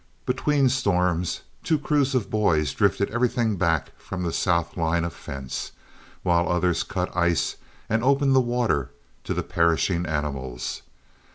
Between storms, two crews of the boys drifted everything back from the south line of fence, while others cut ice and opened the water to the perishing animals.